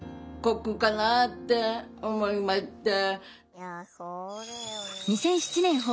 いやそうだよね。